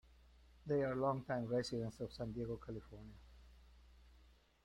They are longtime residents of San Diego, California.